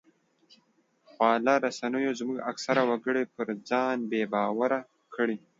خواله رسنیو زموږ اکثره وګړي پر ځان بې باوره کړي